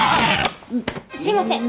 すいません。